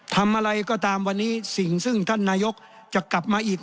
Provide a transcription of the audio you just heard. ทำอะไรก็ตามวันนี้สิ่งซึ่งท่านนายกจะกลับมาอีก